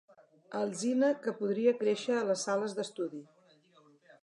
Alzina que podria créixer a les sales d'estudi.